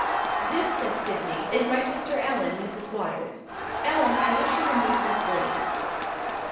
"This," said Sydney, "is my sister Ellen, Mrs. Waters. Ellen, I wish you to meet Miss Lee."